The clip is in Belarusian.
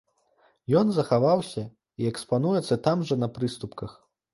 Ён захаваўся і экспануецца там жа на прыступках.